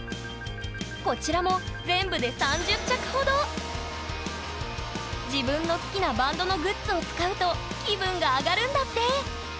こちらも全部で自分の好きなバンドのグッズを使うと気分が上がるんだって！